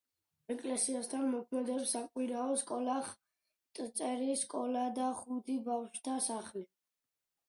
ეკლესიასთან მოქმედებს საკვირაო სკოლა, ხატწერის სკოლა და ხუთი ბავშვთა სახლი.